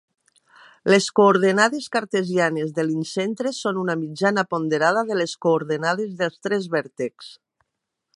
Les coordenades cartesianes de l'incentre són una mitjana ponderada de les coordenades dels tres vèrtexs.